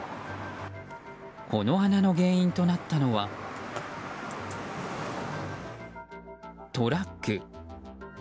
この穴の原因となったのはトラック。